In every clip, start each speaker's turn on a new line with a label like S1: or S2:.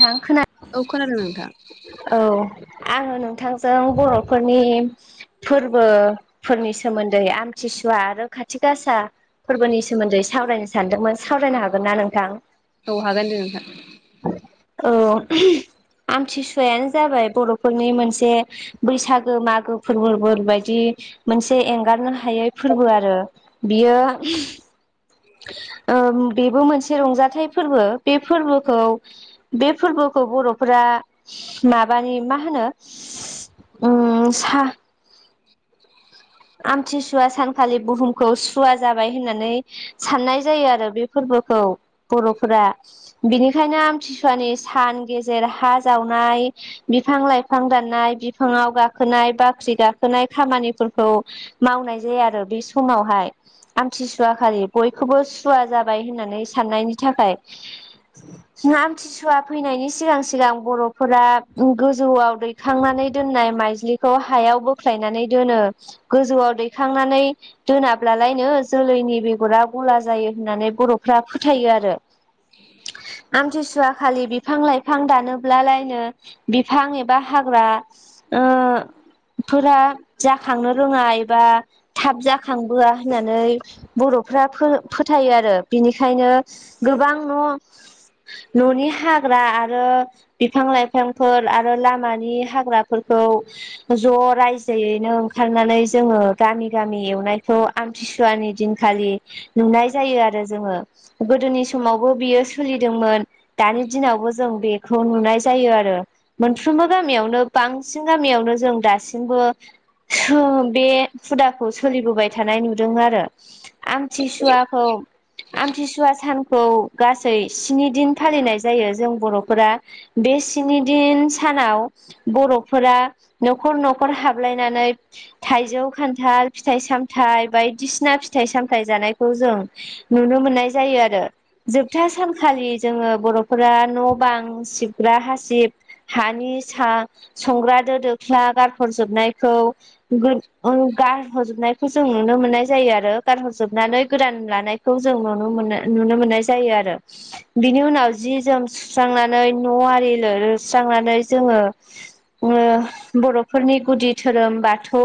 S1: थां खोना
S2: औ खोनादों नोंथां
S1: औ आङो नोंथांजों बर'फोरनि फोरबो फोरनि सोमोन्दै आमथिसुवा आरो खाथि गासा फोरबोनि सोमोन्दै सावरायनो सानदोंमोन सावरायनो हागोन ना नोंथां?
S2: औ हागोन दे नोंथां
S1: औ आमथिसुवायानो जाबाय बर'फोरनि मोनसे बैसागो मागो फोरबोफोर बायदि मोनसे एंगारनो हा हायै फोरबोआरो बियो ओम बेबो मोनसे रंजाथाइ फोरबो बे फोरबोखौ बे फोरबोखौ बर'फोरा माबानि मा होनो ओम सा आमथिसुवा सानखालि बुहुमखौ सुवा जाबाय होननानै साननाय जायो आरो बे फोरबोखौ बर'फोरा बिनिखायनो आमथिसुवानि सान गेजेर हा जावनाय बिफां लाइफां दाननाय बिफाङाव गाखोनाय बाख्रि गाखोनाय खामानिफोरखौ मावनाय जाया आरो बे समावहाय आमथिसुवाखालि बयखौबो सुवा जाबाय होननानै साननायनि थाखाय ना आमथि सुवा फैनायनि सिगां सिगां बर'फोरा गोजौआव दैखांनानै दोननाय माइज्लि खौ हायाव बोख्लायनानै दोनो गोजौआव दैखांनानै दोनाब्लालायनो जोलैनि बेगरा गला जायो होननानै बर'फ्रा फोथायो आरो आमथिसुवा खालि बिफां लाइफां दानोब्लालायनो बिफां एबा हाग्रा ओ फोरा जाखांनो रोङा एबा थाब जाखांबोआ होननानै बर'फ्रा फो-फोथायो आरो बिनिखायनो गोबां न' न'नि हाग्रा आरो बिफां लाइफांफोर आरो लामानि हा ग्राफोरखौ ज' रायजोयैनो ओं ओंखारनानै जोङो गामि गामि एवनायखौ आमथिसुवानि दिनखालि नुनाय जायो आरो जोङो गोदोनि समावबो बियो सोलिदोंमोन दानि दिनावबो जों बेखौ नुनाय जायो आरो मोनफ्रोमबो गामियावनो बांसिन गामियावनो जों दासिमबो थोम बे हुदाखौ सोलिबोबाय थानाय नुदोंआरो आमथिसुवाखौ आमथिसुवा सान खौ गासै स्नि दिन फालिनाय जायो जों बर'फोरा बे सिनि दिन सानाव बर'फोरा न'खर न'खर हाबलायनानै थाइजौ, खान्थाल, फिथाइ सामथाइ बायदिसिना फिथाइ सामथाइ जानायखौ जों नुनो मोननाय जायो आरो जोबथा सानखालि जोङो बर'फोरा न' बां सिबग्रा हासिब हानि सा संग्रा दो दोख्ला गारहरजोबनायखौ गोन ओ गारहरजोबनाय जों नुनो मोननाय जायो आरो गारहरजोबनानै गोदान लानायखौ जों नुनो मोनो नुनो मोननाय जायो आरो। बिनि उनाव जि जोम सुस्रांनानै न' आरि लेरस्रांनानै जोङो ओ बर'फोरनि गुदि धोरोम बाथ खौ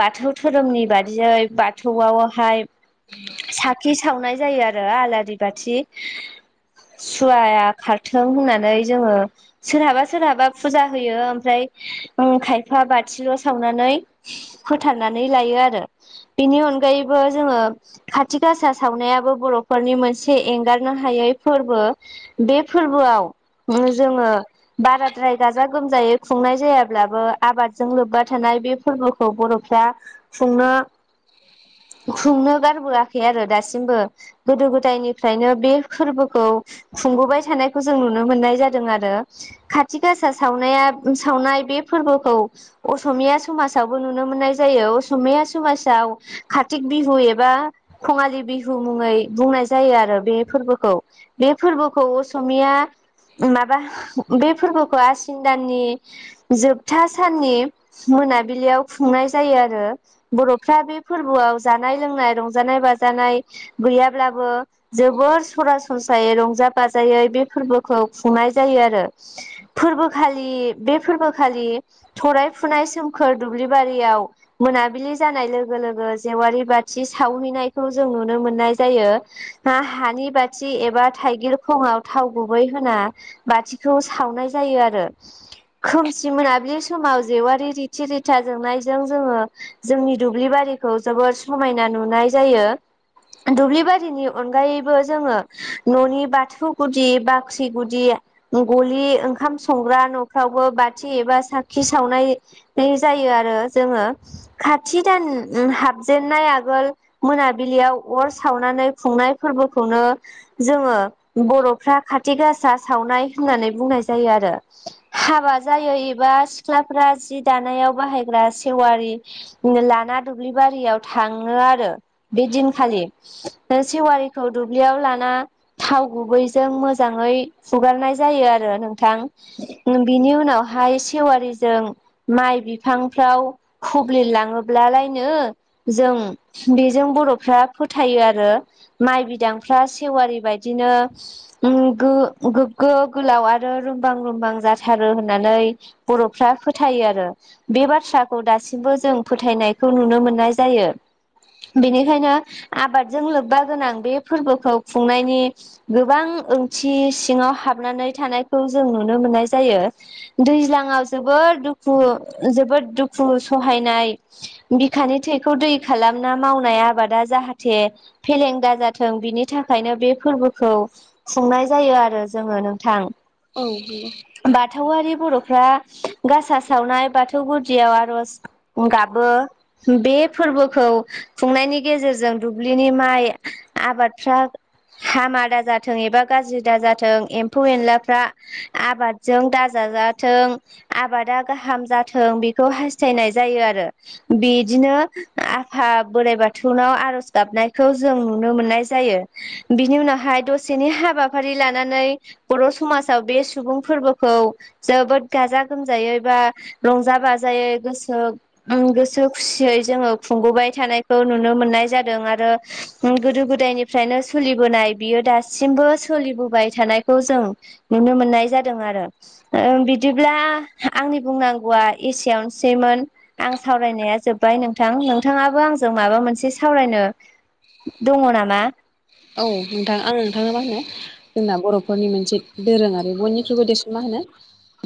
S1: बाथौ धोरोमनि बादियै बाथौआवहाय
S2: [inaudible]
S1: साखि सावनाय जायो आरो आलारि बाथि सुवाया खार थों होननानै जोङो सोरहाबा सोरहाबा फुजा होयो ओमफ्राय उम खायफा बाथिल' सावनानै फोथारनानै लायो आरो बिनि अनगायैबो जोङो खाथि गासा सावनायाबो बर'फोरनि मोनसे एंगारनो हायै फोरबो। बे फोरबोआव जोङो बाराद्राय गाजा गोमजायै खुंनाय जायाब्लाबो आबादजों लोब्बा थानाय बे फोरबोखौ बर'फ्रा खुंनो खुंनो गारबोआखै आरो दासिमबो। गोदो गोदायनिफ्रायनिनो [unintelligible] खुंबोबाय थानायखौ जों नुनो मोननाय जादों आरो। खाथि गासा सावनाया सावनाय बे फोरबोखौ असमिया समाजावबो नुनो मोननाय जायो असमिया समाजाव कारतिक बिहु एबा खङालि बिहु मुङै बुंनाय जायो आरो बे फोरबोखौ बे फोरबोखौ असमिया माबा बे फोरबोखौ आसिन दाननि जोबथा साननि मोनाबिलियाव खुंनाय जायो आरो। बर'फ्रा बे फोरबोआव जानाय लोंनाय रंजानाय बाजानाय गैयाब्लाबो जोबोर सरासनस्रायै रंजा बाजायै बे फोरबोखौ खुंनाय जायो आरो। फोरबो खालि बे फोरबोखालि थराय फुनाय सोमखोर दुब्लि बारियाव। मोनाबिलि जानाय लोगो लोगो जेवारि बाथि सावहैनायखौ जों नुनो मोननाय जायो। हा हानि बाथि एबा थाइगिर खङाव थाव गुबै होना बाथिखौ सावनाय जायो आरो खोमसि मोनाबिलि समाव जेवारि सिरिथा जोंनायजों जोङो जोंनि दुब्लि बारिखौ जोबोद समायना नुनाय जायो दुब्लिबारिनि अनगायैबो जोङो न'नि बाथौ गुदि बाख्रि गुदि गलि ओंखाम संग्रा न'फ्रावबो बाथि एबा साखि सावनाय जायो आरो जोङो खाथि दान हाबजेनन्नाय आगोल मोनाबिलियाव अर सावनानै खुंनाय फोरबोखौनो जोङो बर'फ्रा खाथि गासा सावनाय होननानै बुंनाय जायो आरो हाबा जायो एबा सिख्लाफ्रा जि जानायाव बाहायग्रा सेवारि लाना दुब्लि बारियाव थाङो आरो। बे दिनखालि सेवारिखौ दु ब्लियाव लाना थाव गुबैजों मोजाङै हुगारनाय जायो आरो नोंथां। बिनि उनावहाय सेवारिजों माइ बिफांफ्राव खुब्लिलाङोब्लालायनो जों बेजों बर'फ्रा फोथायो आरो। माइ बिदांफ्रा सेवारि बायदिनो उम गोगो गोलाव आरो रुमबां रुमबां जाथारो होननानै बर'फ्रा फोथ फोथायो आरो बे बाथ्राखौ दासिमबो जों फोथायनायखौ नुनो मोननाय जायो। बेनिखायनो आबादजों लोब्बा गोनां बे फोरबोखौ खुंनायनि गोबां ओंथि सिङाव हाबनानै थानायखौ जों नुनो मोननाय जायो दैज्लांआव जोबोद दुखु जोबोद दुखु सहायनाय बिखानि थैखौ दै खालामना मावनाय आबादा जाहाथे फेलें दाजाथों बिनि थाखायनो बे फोरबोखौ खुंनाय जायो आरो जोङो नोंथां
S2: औ
S1: बाथौआरि बर'फ्रा गासा सावनाय बाथौ गुदियाव आर'ज गाबो बे फोरबोखौ खुंनायनि गेजेरजों दुब्लिनि माइ आबादफ्रा हाम आदा जा थों एबा गाज्रि दाजाथों एम्फौ एनलाफ्रा आबादजों दा जाजाथों आबादा गाहाम जाथों बेखौ हास्थायनाय जायो आरो। बिदिनो आफा बोराइ बाथौनाव आर'ज गाबनायखौ जों नुनो मोननाय जायो। बिनि उनावहाय दसेनि हाबाफारि लानानै बर' समाजाव बे सुबुं फोरबोखौ जोबोद गाजा गोमजायै बा रंजा बाजायोै गोसो ओम गोसो खुसियै जोङो खुंबोबाय थानायखौ नुनो मोननाय जादों आरो गोदो गोदायनिफ्रायनो सोलिबोनाय बियो दासिमबो सोलिबोबाय थानायखौ जों नुनो मोननाय जादों आरो बिदिब्ला आंनि बुंनांगौआ एसेयावनोसैमोन आं सावरायनाया जोब्बाय नोंथां नोंथाङाबो आंजों माबा मोनसे सावरायनो दङ नामा?
S2: औ नोंथां आं नोंथाङा मा होनो जोंना बर'फोरनि मोनसे दोरोङारि बयनिख्रुबो देरसन मा होनो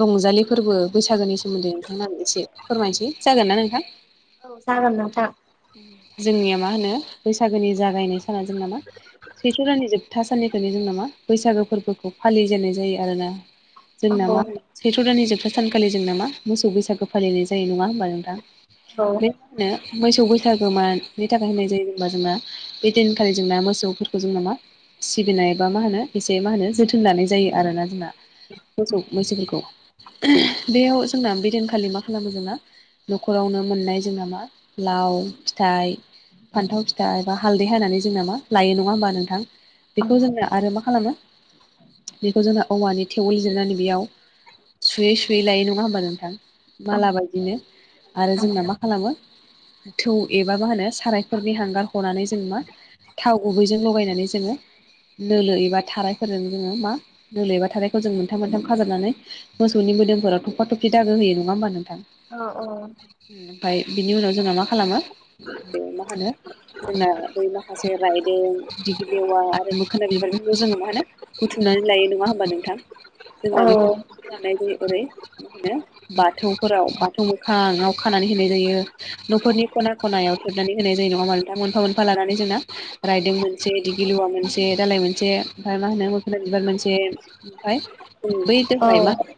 S2: रंजालि फोरबो बैसागोनि सोमोन्दै नोंथांनाबो एसे फोरमायनोसै जागोन ना नोंथां?
S1: औ जागोन नोंथां
S2: जोंनिया मा होनो बैसागोनि जागायनाय साना जोंना मा सैथ्र दाननि जोबथा साननिखालि जोंना मा बैसागो फोरबोखौ फालिजेननाय जायो आरोना जोंना
S1: औ
S2: मा होनो सैथ्र' दाननि जोबथा सानखालि जोंना मा मोसौ बैसागु फालिनाय जायो नङा होमबा नोंथां
S1: औ
S2: बेनो मोसौ बै सागोमा नि थाखाय होननाय जायो जेनेबा जोंना बे दिन खालि जोंना मोसौफोरखौ जों नामा सिबिनाय बा मा होनो एसे मा होनो जोथोन लानाय जायो आरोना जोंना मोसौ बैसागखौ बेयाव जोंना बिदनखालि मा खालामो जोंना न'खरावनो मोननाय जोंना मा लाव फिथाइ फान्थाव फिथाइ बा हालदै हानानै जों नामा लायो नङा होमबा नोंथां बेखौ जोङो आरो मा खालामो बेखौ जोंना औवानि थेव लिरनानै बेयाव सुयै सुयै लायै नङा होमबा नोंथां
S1: औ
S2: माला बायदिनो आरो
S1: औ
S2: जोंना मा खालामो थौ एबा मा होनो सारायफोरनि हांगार हनानै जों मा थाव गुबैजों लगायनानै जोङो नोलो एबा थाराइफोरजों जोङो मा दोलो एबा थाराइखौ जों मोनथाम मोनथाम खाजोबनानै मोसौनि मोदोमफोराव थफा थफि दागो होयो नङा होमबा नोंथां
S1: अ औ
S2: फाय बिनि उनाव जोंना मा खालामो बे मा होनो जोंना बै माखासे रायदों दिग्लिलेवा आरो मोखोन बिबार जोंङो मा होना बुथुमनानै लायो नङा होमबा नोंथां
S1: औ
S2: खामनाय जायो ओरै मा होनो बाथौफोराव बाथौ मोखाङाव खानानै होनाय जायो न'फोरनि खना खनायाव थोबनानै होनाय जायो नङा मोन नोंथां मोनफा मोनफा लानानै जोंना रायदों मोनसे दिगि लुवा मोनसे दालाय मोनसे ओमफाय मा होनो मखोन बिबार मोनसे ओमफाय जों बै दहाय मा होन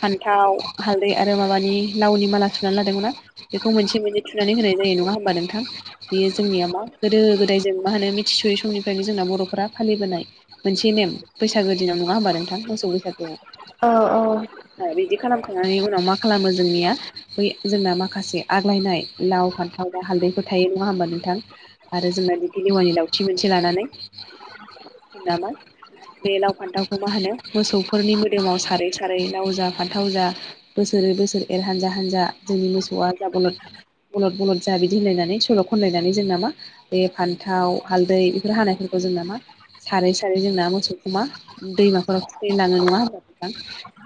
S2: फान्थाव हालदै आरो माबानि लावनि माला सुनानै लादोंमोन ना बेखौ मोनसे मोननै थुनानै होनाय जायो नङा होमबा नोंथां? बियो जोंनिया मा गोदो गोदाय जों मा होनो मिथिस'यै समनिफ्रायनो जोंना बर'फोरा फालिबोनाय मोनसे नेम बैसागो दिनाव नङा होनोमबा नोंथां मोसौ बैसागोआव
S1: औ औ
S2: बिदि खालामखांनायनि उनाव मा खालामो जोंनिया बै जोंना माखासे आग्लायनाय लाव फान्थ थाव बा हालदैफोर थायो नङा होमबा नोंथां आरो जोंना बिदिलेवानि लावथि मोनसे लानानै नामान बे लाव फान्थावखौ मा होनो मोसौफोरनि मोदोमाव सारै सारै लाव जा फान्थाव जा बोसोरै बोसोर एर हानजा हानजा जोंनि मोसौआ जालद बलद बलद जा बिदि होनलायनानै सल' खनलायनानै जोंना मा बे फान्थाव हालदै बेफोर हानायफोरखौ जोंना मा सारै सारै जोंना मोसौखौमा दैमाफोराव खिथायनो लाङो नङा होनबा नोंथां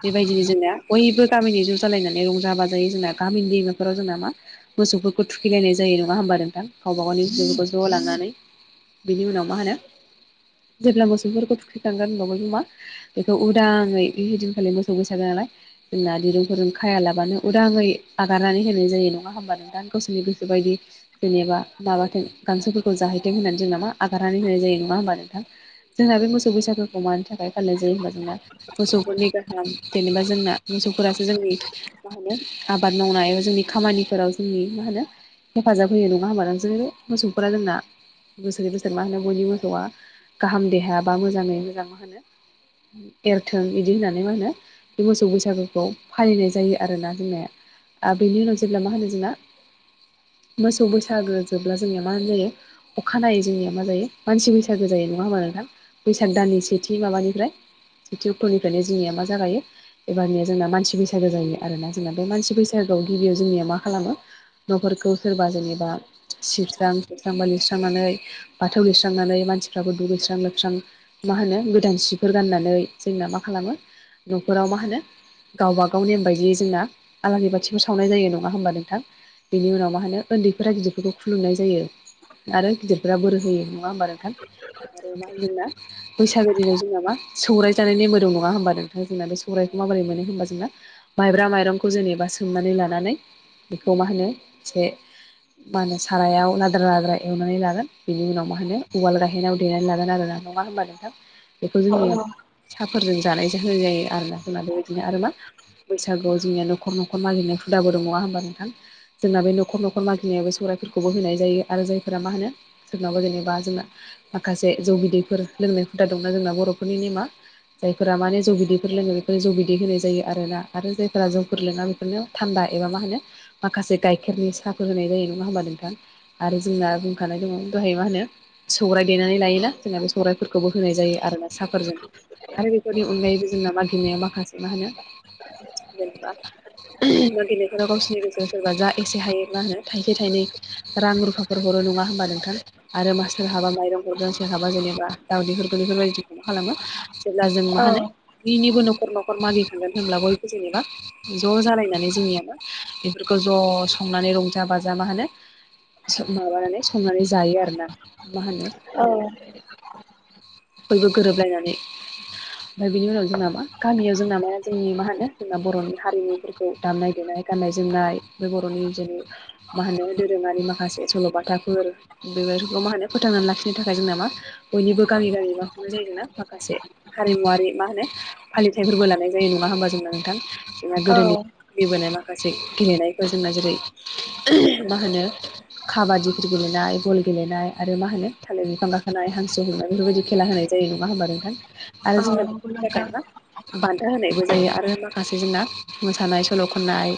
S2: बेबायदिनो जोंना बयबो गामिनि ज' जालायनानै रंजा बाजायो जोंना गामिनि दैमाफोराव जोंना मा मोसौफोरखौ थुखैलायनाय जायो नङा होमबा नोंथां गावबा गावनि मोसौफोरखौ ज' लांनानै बिनि उनाव मा होनो जेब्ला मोसौफोरखौ थुखैखांगोन होनबा बयबो मा बेखौ उदाङै ऐदिनखालि मोसौ बैसागो नालाय। जोंना दिरुंफोरजों खायालाबानो उदाङै आगारनानै होनाय जायो नङा होमबा नोंथां? गावसोरनि गोसोबायदि जेनेबा माबाथों गांसोफोरखौ जाहैथों होननानै जों नामा आगारनानै होनाय जायो नङा होमबा नोंथां? जोंहा बे मोसौ बैसागोखौ मानि थाखाय फालिनाय जायो होनबा जोंहा मोसौफोरनि गाहाम जेनेबा जोंना मोसौफोरासो जोंनि मा होनो आबाद मावनाय एबा जोंनि खामानिफोराव जोंनि मा होनो हेफाजाब होयो नङा होमबा [unintelligible] मोसौफोरा जोंना बोसोरै बोसोर मा होनो बयनि मोसौआ गाहाम देहायाबा मोजाङै मोजां मा होनो एरथों बिदि होननानै मा होनो बे मोसौ बैसागुखौ फालिनाय जायो आरोना जोंनाया बेनि उनाव जेब्ला मा होनो जोंना
S1: [inaudible]
S2: मोसौ बैसागो जोबब्ला जोंनिया मा होनजायो अखाानायै जोंनिया मा जायो मानसि बैसागो जायो नङा होमबा नोंथां? बैसाग दाननि सेथि माबानिफ्राय सेथि अक्ट'निफ्रायनो जोंनिया मा जागायो एबारनिया जोंना मानसि बैसागो जायो आरोना जोंना बे मानसि बैसागोआव गिबियाव जोंनिया मा खालामो न'फोरखौ सोरबा जेनेबा सिबस्रां सिुस्रांबा लिरस्रांनानै बाथौ लिरस्रांनानै मानसिफ्राबो दुगैस्रां लोबस्रां मा होनो गोदान सिफोर गाननानै जोंना मा खालामो न'खराव मा होनो गावबाागाव नेम बायदियै जोंना आलारि बाथिबो सावनाय जायो नङा होमबा नोंथां? बिनि उनाव मा होनो उन्दैफोरा गिदिरफोरखौ खुलुमनाय जायो। आरो गिदिरफ्रा बोरै होयो नङा होनबा नोंथां? आरो मा होनदों ना बैसागो दिनाव जोंना मा सौराय जानाय नेमबो दं नङा होनबा नों जोंना बे सौराइखौ माबोरै मोनो होनबा जोंना माइब्रा माइरंखौ जेनेबा सोमनानै लानानै बेखौ मा होनो एसे मा होनो सारायाव लाद्रा लाद्रा एवनानै लागोन बेनि उनाव मा होनो उवाल गायहैनायाव देनानै लागोन आरो ना नङा होनबा नोंथां बेखौ जोंनियाव साहाफोरजों जानायजों होनाय जायो आरोना होननानै बेबायदिनो आरो मा बैसागु जोंनिया न'खर न'खर नागिरनाय हुदाबो नङा होनबा नोंथां? जोंना बे न'खर न'खर मागिनायाव बे सौराइफोरखौबो होनाय जायो आरो जायफोरा मा होनो सोरनावबा जेनेबा जोंना माखासे जौ बिदैफोर लोंनाय हुदा दंना जोंना बर'फोरनि नेमा जायफोरा माने जौ बिदैफोर लोङो बेफोरनो जौ बिदै होनाय जायो आरोना आरो जायफोरा जौफोर लोङा बेफोरनो थान्दा एबा मा होनो माखासे गाइखेरनि साफोर होनाय जायो नङा होनबा नोंथां? आरो जोंना बुंखानाय दङ दहाय मा होनो सौराइ देनानै लायोना जोंआ बे सौराइफोरखौबो होनाय जायो। आरो ना साफोरजों आरो बेफोरनि अनगायैबो जोंना मागिनाया माखासे मा होनो जेनेबा मा गेलनायफोराव गावसोरनि गोेजेराव सोरबा जा जेसे हायो मा होनो थाइसे थाइनै रां रुफाफोर हरो नङा होनबा नोंथां? आरो मा सोरहाबा माइरं हरगोन सोरहाबा जेनेबा दावदैफोरखौ बेफोरबायदिखौ खालामो। जेब्ला जों मा
S1: औ
S2: होनो बिनिबो न'खर न'खर मानिखागोन होमब्ला बयबो जेनेबा ज' जालायनानै जोंनियाबो बेफोरखौ ज' संनानै रंजा बाजा मा होनो माबानानै संनानै जायो आरोना। मा होनो ज' बयबो गोरोबलायनानै ओमफ्राय बिनि उनाव जोंना मा गामियाव जोंना मा जोंनि मा होनो जोंना बर'नि हारिमुफोरखौ दामनाय देनाय गाननाय जोमनाय बे बर'नि जेरै मा होनो दोरोङारि माखासे सल'बाथाफोर बेफोरखौ मा होनो फोथांनानै लाखिनो थाखाय जोंना मा बयनिबो गामि गामि मा खालामनाय जायो जोंना माखासे हारिमुवारि मा होनो फालिथायफोरबो लानाय जायो नङा होनबा जोंना नोंथां? जोंङा गोदोनि
S1: औ
S2: फालिबोनाय माखासे गेलेनाय जोंना जेरै मा होनो काबादिफोर गेलेनाय बल गेलेनाय आरो मा होनो थालिर बिफां गाखोनाय हांसो हमनाय बेफोरबायदि खेला होनाय जायो नङा होमबा नोंथां आरो जोंना
S1: नंगौ
S2: बेनि थाखाइ
S1: नोंथां
S2: मा बान्था होनायबो जायो आरो माखासे जोंना मोसानाय सल' खननाय